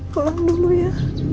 pulang dulu ya